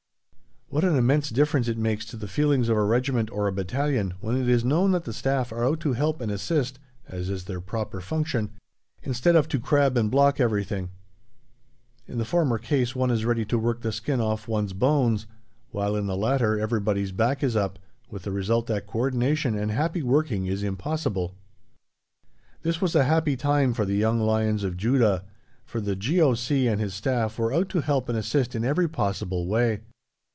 What an immense difference it makes to the feelings of a regiment or a battalion when it is known that the Staff are out to help and assist (as is their proper function), instead of to crab and block everything; in the former case one is ready to work the skin off one's bones, while in the latter everybody's back is up, with the result that co ordination and happy working is impossible. This was a happy time for the young lions of Judah, for the G.O.C. and his staff were out to help and assist in every possible way.